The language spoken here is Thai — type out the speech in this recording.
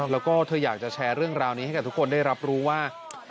แล้วก็เธออยากจะแชร์เรื่องราวนี้ให้กับทุกคนได้รับรู้ว่า